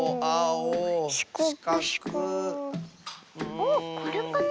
あっこれかな？